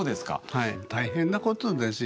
はい大変なことですよ。